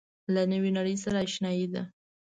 له نوې نړۍ سره آشنايي ده.